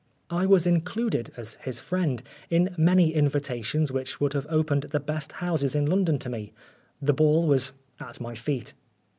I was included, as his friend, in many invitations which would have opened the best houses in London to me. The ball was at my feet.